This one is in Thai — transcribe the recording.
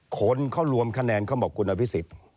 คนเขารวมคะแนนเขาบอกคุณอภิษฎ